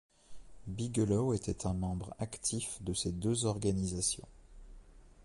Bigelow était un membre actif de ces deux organisations.